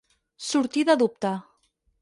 Sortir de dubte.